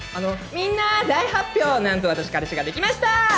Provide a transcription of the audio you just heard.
「みんな大発表！！なんと私カレシが出来ました！！」。